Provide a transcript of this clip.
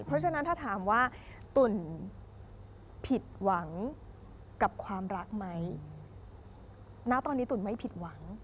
เพราะฉะนั้นถ้าถามว่าตุ๋นผิดหวังกับความรักไหมณตอนนี้ตุ๋นไม่ผิดหวัง